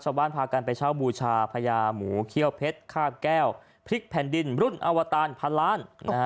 พากันไปเช่าบูชาพญาหมูเขี้ยวเพชรคาบแก้วพริกแผ่นดินรุ่นอวตารพันล้าน